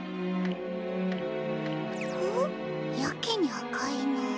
やけにあかいな。